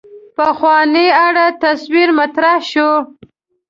پخوانو اړه تصور مطرح شو.